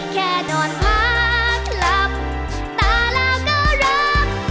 แค่นอนพักหลับตาลาก็รัก